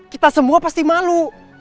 kita semua pasti malu